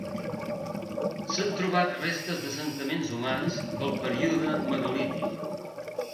S'han trobat restes d'assentaments humans del període megalític.